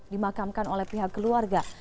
dimakamkan oleh pihak keluarga